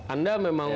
untuk membuat sby